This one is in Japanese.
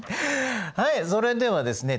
はいそれではですね